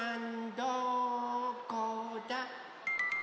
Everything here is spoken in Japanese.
どこだ？